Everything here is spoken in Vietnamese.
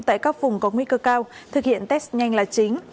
tại các vùng có nguy cơ cao thực hiện test nhanh là chính